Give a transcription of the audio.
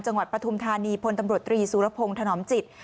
ปฐุมธานีพลตำรวจตรีสุรพงศ์ถนอมจิต